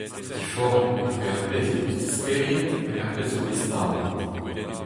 Diforc'hioù etre ar pezh he deus disklêriet hag ar pezh zo bet stadet.